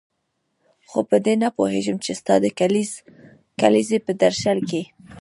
خو په دې نه پوهېږم چې ستا د کلیزې په درشل کې.